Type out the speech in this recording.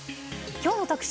きょうの特集